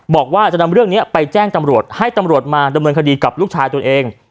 บอกว่าจะนำเรื่องนี้ไปแจ้งตำรวจให้ตำรวจมาดำเนินคดีกับลูกชายตัวเอง